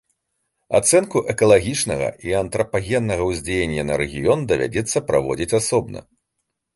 Ацэнку экалагічнага і антрапагеннага ўздзеяння на рэгіён давядзецца праводзіць асобна.